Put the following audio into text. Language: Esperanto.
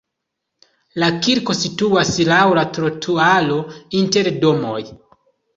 La kirko situas laŭ la trotuaro inter domoj.